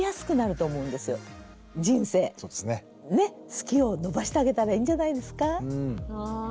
好きを伸ばしてあげたらいいんじゃないですか。